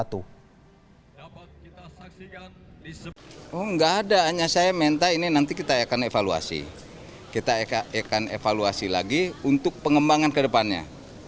tidak ada hanya saya minta ini nanti kita akan evaluasi kita akan evaluasi lagi untuk pengembangan ke depannya